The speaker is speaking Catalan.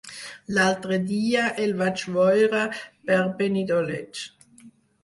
L'altre dia el vaig veure per Benidoleig.